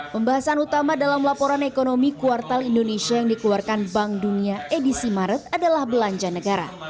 pembahasan utama dalam laporan ekonomi kuartal indonesia yang dikeluarkan bank dunia edisi maret adalah belanja negara